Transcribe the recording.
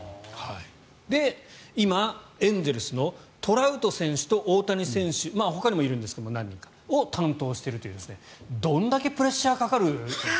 今、エンゼルスのトラウト選手と大谷選手ほかにもいるんですが２人を担当しているというどんだけプレッシャーがかかる。